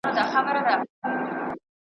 یوه ځوان وو په خپل کور کي سپی ساتلی .